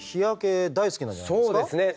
そうですね。